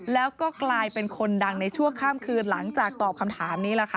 แล้วก็กลายเป็นคนดังในชั่วข้ามคืนหลังจากตอบคำถามนี้ล่ะค่ะ